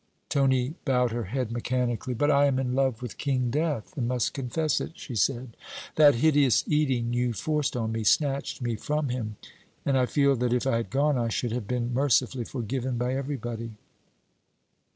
Tony bowed her head mechanically. 'But I am in love with King Death, and must confess it,' she said. 'That hideous eating you forced on me, snatched me from him. And I feel that if I had gone, I should have been mercifully forgiven by everybody.'